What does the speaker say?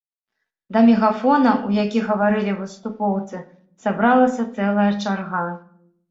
Да мегафона, у які гаварылі выступоўцы, сабралася цэлая чарга.